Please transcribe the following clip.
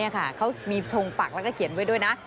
เขามีทงปักแล้วก็เขียนไว้ด้วยนะ